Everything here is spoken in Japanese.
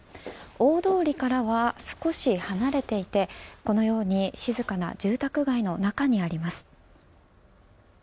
大通りからは少し離れていてこのように静かな住宅街の中にあります。